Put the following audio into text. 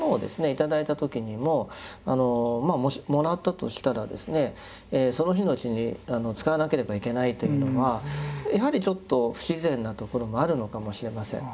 頂いた時にももらったとしたらですねその日のうちに使わなければいけないというのはやはりちょっと不自然なところもあるのかもしれません。